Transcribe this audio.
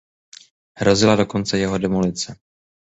Hrozila dokonce jeho demolice.